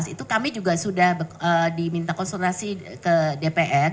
itu kami juga sudah diminta konsultasi ke dpr